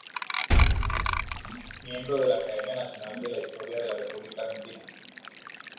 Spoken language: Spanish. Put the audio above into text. Miembro de la Academia Nacional de la Historia de la República Argentina.